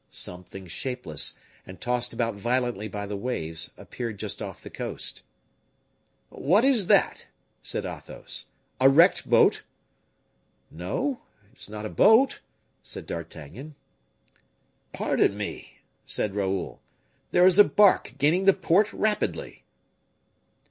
Something shapeless, and tossed about violently by the waves, appeared just off the coast. "What is that?" said Athos, "a wrecked boat?" "No, it is not a boat," said D'Artagnan. "Pardon me," said Raoul, "there is a bark gaining the port rapidly."